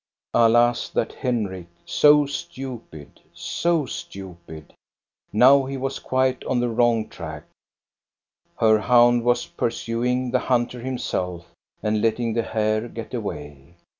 Alas, that Henrik, so stupid, so stupid ! Now he was quite on the wrong track. Her hound was pursuing the hunter himself and letting the hare get away.